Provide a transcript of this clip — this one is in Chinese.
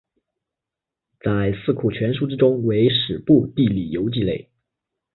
在四库全书之中为史部地理游记类。